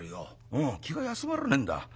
うん気が休まらねえんだ。